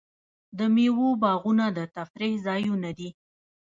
د میوو باغونه د تفریح ځایونه دي.